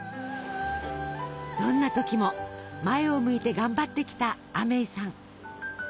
どんな時も前を向いて頑張ってきたアメイさん。